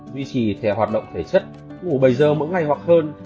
duy trì thể hoạt động thể chất ngủ bảy giờ mỗi ngày hoặc hơn